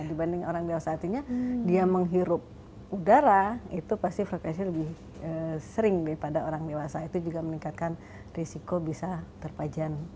dibanding orang dewasa artinya dia menghirup udara itu pasti frekuensi lebih sering daripada orang dewasa itu juga meningkatkan risiko bisa terpajan